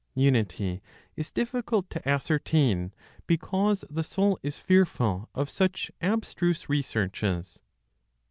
UNITY IS DIFFICULT TO ASCERTAIN BECAUSE THE SOUL IS FEARFUL OF SUCH ABSTRUSE RESEARCHES.